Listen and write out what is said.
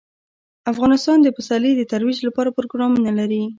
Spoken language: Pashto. افغانستان د پسرلی د ترویج لپاره پروګرامونه لري.